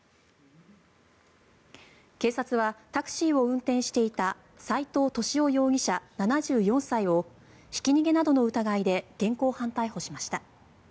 警察はタクシーを運転していた斉藤敏夫容疑者、７４歳をひき逃げなどの疑いで現行犯逮捕しました。